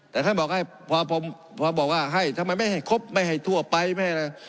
แต่ท่านบอกให้พอบอกว่าให้ทำไมไม่ให้ครบไม่ให้ทั่วไปไม่ให้อะไร